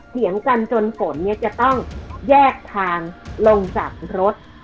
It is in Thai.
เถียงกันจนฝนเนี่ยจะต้องแยกทางลงจากรถ